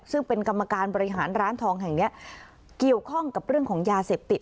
ซึ่งเป็นกรรมการบริหารร้านทองแห่งเนี้ยเกี่ยวข้องกับเรื่องของยาเสพติด